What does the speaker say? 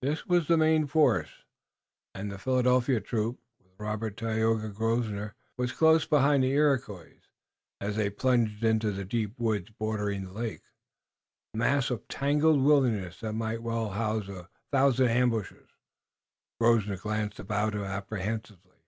This was the main force, and the Philadelphia troop, with Robert, Tayoga and Grosvenor, was close behind the Iroquois as they plunged into the deep woods bordering the lake, a mass of tangled wilderness that might well house a thousand ambushes. Grosvenor glanced about him apprehensively.